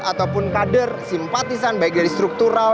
ataupun kader simpatisan baik dari struktural